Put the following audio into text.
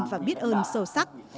và biết ơn sâu sắc